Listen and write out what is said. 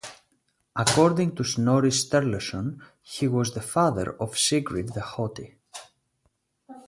According to Snorri Sturluson, he was the father of Sigrid the Haughty.